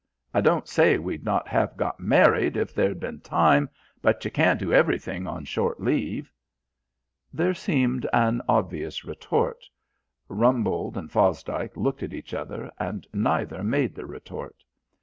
I don't say we'd not have got married if there'd been time, but you can't do everything on short leave." There seemed an obvious retort. Rumbold and Fosdike looked at each other, and neither made the retort.